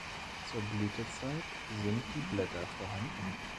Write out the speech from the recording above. Zur Blütezeit sind die Blätter vorhanden.